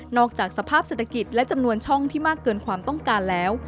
จากสภาพเศรษฐกิจและจำนวนช่องที่มากเกินความต้องการแล้ว